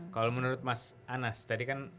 kalau menurut mas anas tadi kan